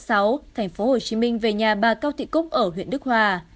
thành phố hồ chí minh về nhà bà cao thị cúc ở huyện đức hòa